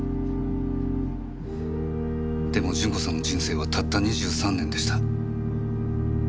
でも順子さんの人生はたった２３年でした。